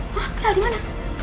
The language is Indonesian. hah kenal di mana